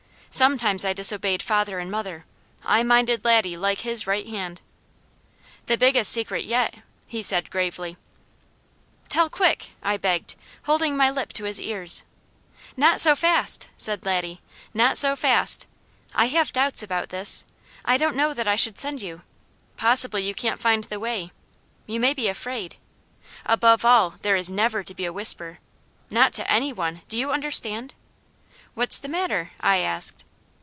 Sometimes I disobeyed father and mother; I minded Laddie like his right hand. "The biggest secret yet," he said gravely. "Tell quick!" I begged, holding my ear to his lips. "Not so fast!" said Laddie. "Not so fast! I have doubts about this. I don't know that I should send you. Possibly you can't find the way. You may be afraid. Above all, there is never to be a whisper. Not to any one! Do you understand?" "What's the matter?" I asked.